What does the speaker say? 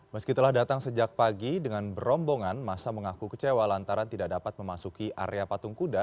meski telah datang sejak pagi dengan berombongan masa mengaku kecewa lantaran tidak dapat memasuki area patung kuda